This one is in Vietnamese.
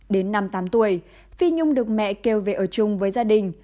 đến năm tám tuổi phi nhung được mẹ kêu về ở chung với gia đình